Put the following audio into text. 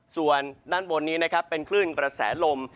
ส่วนด้านบนนี้นะครับเป็นคลื่นกระแสลม